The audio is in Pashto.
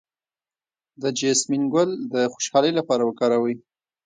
د جیسمین ګل د خوشحالۍ لپاره وکاروئ